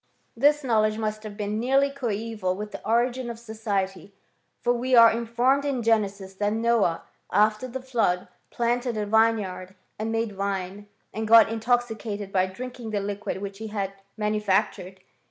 This knowledge must have been nearly coeval with the origin of society ; for we are informed in Genesis that Noah, after the flood, planted a vineyard, and made wine, and got in toxicated by drinking the liquid which he had manu factured.